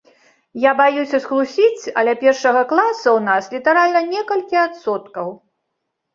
Я баюся схлусіць, але першага класа ў нас літаральна некалькі адсоткаў.